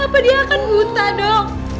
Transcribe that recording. apa dia akan buta dong